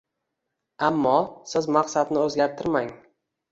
Ammo siz maqsadni o’zgartirmang